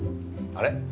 あれ？